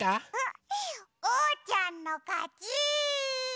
おうちゃんのかち！